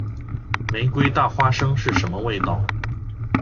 玫瑰大花生是什么味道？